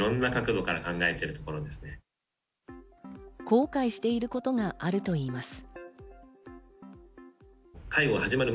後悔していることがあるといいます。